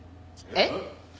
えっ？